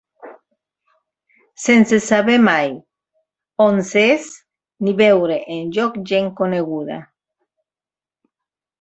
Sense saber mai on s'és, ni veure enlloc gent coneguda.